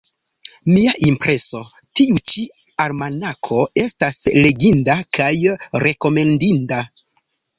Mia impreso: tiu ĉi almanako estas leginda kaj rekomendinda.